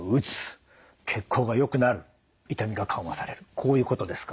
こういうことですか？